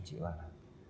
chị bảo là